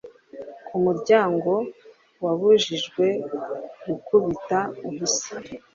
ku muryango wabujijwe gukubita ubusa,